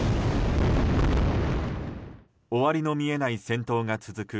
終わりの見えない戦闘が続く